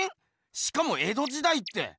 しかも江戸時代って。